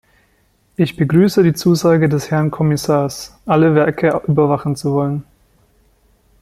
Ich begrüße die Zusage des Herrn Kommissars, alle Werke überwachen zu wollen.